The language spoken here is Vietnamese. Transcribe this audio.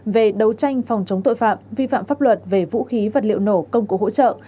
về đấu tranh phòng chống tội phạm vi phạm pháp luật về vũ khí vật liệu nổ công cụ hỗ trợ